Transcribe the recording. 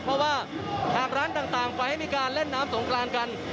เพราะว่าหากร้านต่างปล่อยให้มีการเล่นน้ำสงกรานกัน